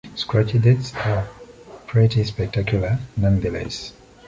Scratchy's 'deaths' are pretty spectacular, nonetheless.